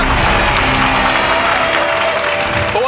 สู้ครับ